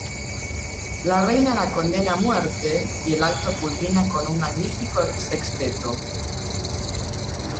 La reina la condena a muerte y el acto culmina con un magnífico sexteto.